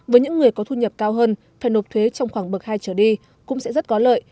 với những người có thu nhập cao hơn phải nộp thuế trong khoảng bậc hai trở đi cũng sẽ rất có lợi